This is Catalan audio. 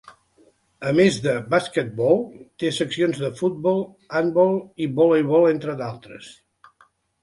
A més de basquetbol té seccions de futbol, handbol i voleibol, entre d'altres.